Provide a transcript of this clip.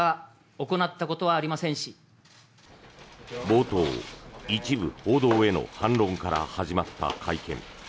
冒頭、一部報道への反論から始まった会見。